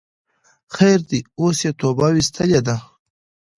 خیر ده اوس یی توبه ویستلی ده